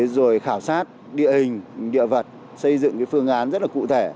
rồi khảo sát địa hình địa vật xây dựng phương án rất là cụ thể